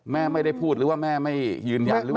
แม่ไม่ได้พูดหรือว่าแม่ไม่ยืนยัน